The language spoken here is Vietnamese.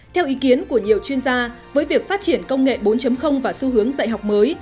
theo ý kiến của nhiều chuyên gia với việc phát triển công nghệ bốn và xu hướng dạy học mới